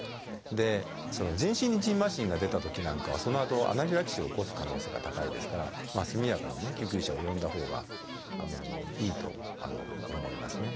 で全身にじんましんが出たときなんかはそのあとアナフィラキシーを起こす可能性が高いですから速やかに救急車を呼んだほうがいいと思いますね。